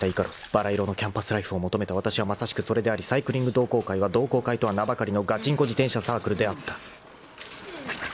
［ばら色のキャンパスライフを求めたわたしはまさしくそれでありサイクリング同好会は同好会とは名ばかりのガチンコ自転車サークルであった］